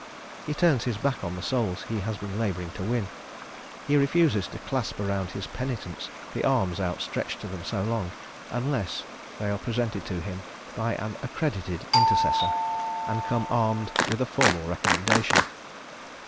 He turns His back on the souls He has been labouring to win; He refuses to clasp around His penitents the arms outstretched to them so long, unless they are presented to Him by an accredited intercessor, and come armed with a formal recommendation.